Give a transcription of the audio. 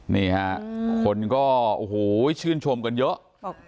นี่ฮะคนก็โอ้โหชื่นชมกันเยอะ